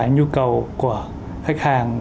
nhu cầu của khách hàng